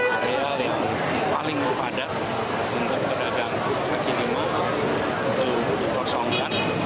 areal yang paling berpada untuk pedagang kaki lima itu diposongkan